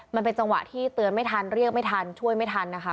มันเป็นจังหวะที่เตือนไม่ทันเรียกไม่ทันช่วยไม่ทันนะคะ